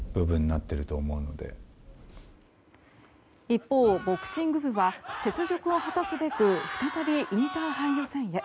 一方、ボクシング部は雪辱を果たすべく再びインターハイ予選へ。